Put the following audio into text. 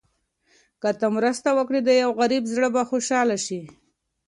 که ته مرسته وکړې، نو د یو غریب زړه به خوشحاله شي.